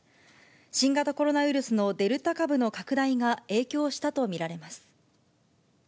新型コロナウイルスのデルタ株の拡大が影響したと見られます。